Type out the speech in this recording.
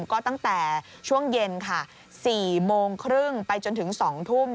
ก็ตั้งแต่ช่วงเย็นค่ะ๔โมงครึ่งไปจนถึง๒ทุ่ม